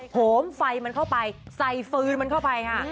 โหมไฟมันเข้าไปใส่ฟืนมันเข้าไปค่ะ